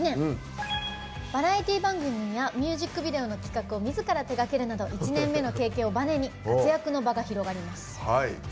バラエティー番組やミュージックビデオの企画をみずから手がけるなど１年目の経験をバネに活躍の場が広がります。